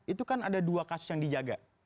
itu kan ada dua kasus yang dijaga